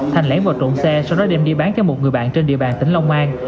thành lẻn vào trộm xe sau đó đem đi bán cho một người bạn trên địa bàn tỉnh long an